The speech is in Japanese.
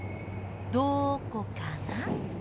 『どーこかな？』